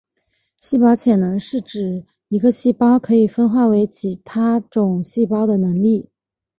细胞潜能是指一个细胞可以分化为其他种细胞的能力。